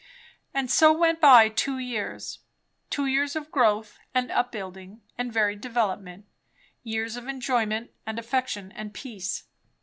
And so went by two years; two years of growth and up building and varied developement; years of enjoyment and affection and peace.